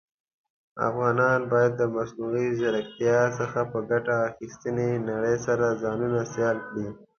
افغانان بايد د مصنوعى ځيرکتيا څخه په ګټي اخيستنې نړئ سره ځانونه سيالان کړى.